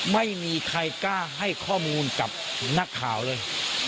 ไม่มีใครกล้าให้ข้อมูลกับนักข่าวเลย